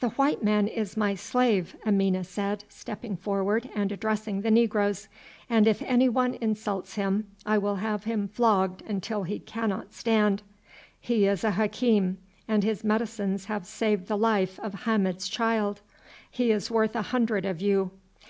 "The white man is my slave," Amina said, stepping forward and addressing the negroes, "and if anyone insults him I will have him flogged until he cannot stand. He is a Hakim, and his medicines have saved the life of Hamid's child. He is worth a hundred of you."